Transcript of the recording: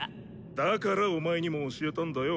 だからお前にも教えたんだよ。